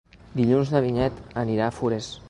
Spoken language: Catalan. Dilluns na Vinyet anirà a Forès.